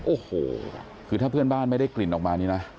โอ้โหคือถ้าเพื่อนบ้านไม่ได้กลิ่นออกมานี่นะ